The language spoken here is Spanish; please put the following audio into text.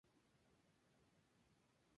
Rayleigh fue nombrado en honor de Lord Rayleigh.